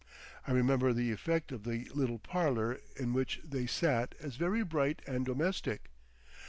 I remember the effect of the little parlour in which they sat as very bright and domestic.